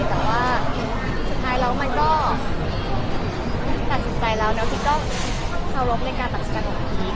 แต่ว่าสุดท้ายแล้วมันก็ตัดสินใจแล้วแล้วคิดก็เคารพในการตัดสินใจของพีช